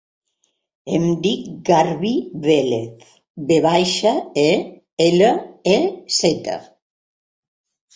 Em dic Garbí Velez: ve baixa, e, ela, e, zeta.